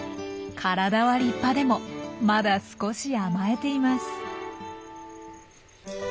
体は立派でもまだ少し甘えています。